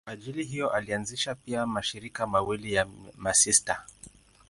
Kwa ajili hiyo alianzisha pia mashirika mawili ya masista.